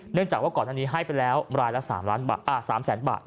เนื่องจากว่าก่อนท่านนี้ให้ไปแล้ว๓แสนบาท